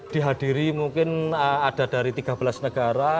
dihadiri mungkin ada dari tiga belas negara